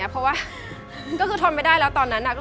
เพราะว่าก็คือทนไม่ได้แล้วตอนนั้น